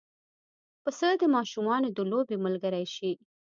پسه د ماشومانو د لوبې ملګری شي.